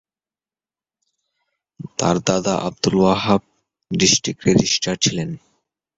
তার দাদা Abdul Wahab district registrar ছিলেন।